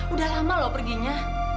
udah lama loh perginya